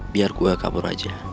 biar gue kabur aja